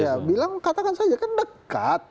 ya bilang katakan saja kan dekat